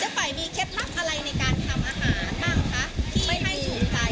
ฝ่ายมีเคล็ดลับอะไรในการทำอาหารบ้างคะที่ให้ถูกใจ